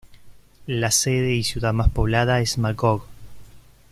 La sede y ciudad más poblada es Magog.